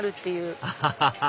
アハハハ